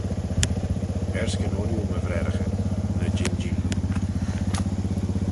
Erskyn-ooilley, my vraaraghyn, ny jean-jee loo.